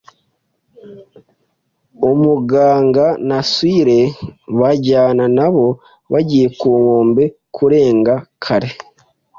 umuganga na squire, bajyana nabo, bagiye ku nkombe kurenga kare